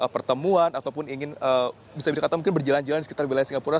pertemuan ataupun ingin bisa dikatakan mungkin berjalan jalan di sekitar wilayah singapura